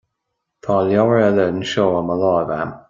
Tá leabhar eile anseo i mo láimh agam